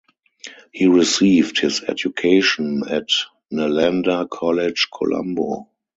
He received his education at Nalanda College Colombo.